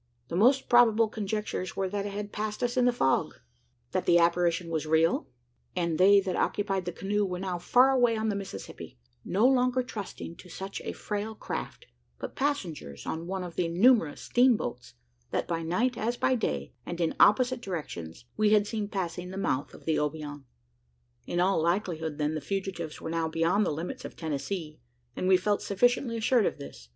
The most probable conjectures were that it had passed us in the fog; that the apparition was real; and they that occupied the canoe were now far away on the Mississippi no longer trusting to such a frail craft, but passengers on one of the numerous steam boats, that by night as by day, and in opposite directions, we had seen passing the mouth of the Obion. In all likelihood, then, the fugitives were now beyond the limits of Tennessee; and we felt sufficiently assured of this.